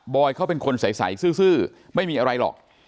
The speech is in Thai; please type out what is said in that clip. เขาเป็นคนใสซื่อไม่มีอะไรหรอก